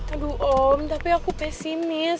aduh om tapi aku pesimis